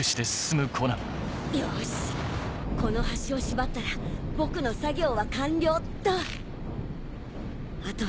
よしこの端を縛ったら僕の作業は完了っと。